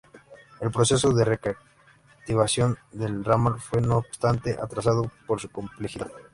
El proceso de reactivación del Ramal fue, no obstante, atrasado por su complejidad.